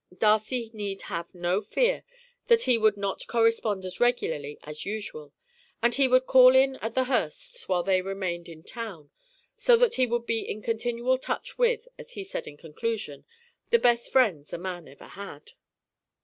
Darcy need have no fear that he would not correspond as regularly as usual, and he would call in at the Hursts' while they remained in town, so that he would be in continual touch with, as he said in conclusion, "the best friends a man ever had."